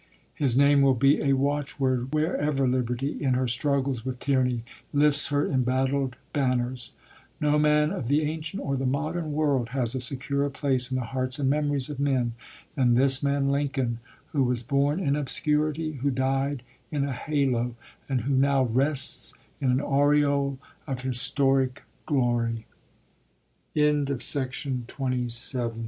His name will be a watchword wherever liberty in her struggles with tyranny lifts her embattled banners. No man of the ancient or the modern world has a securer place in the hearts and memories of men than this man Lincoln, who was born in obscurity, who died in a halo, and who now rests in